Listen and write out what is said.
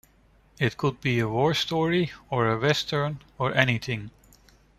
It could be a war story or a Western or anything.